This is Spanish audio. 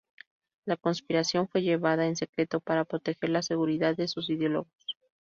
La conspiración fue llevada en secreto para proteger la seguridad de sus ideólogos.